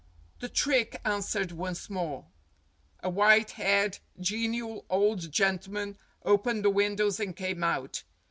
The trick answered once more. A white haired, genial old gentleman opened the windows and came out.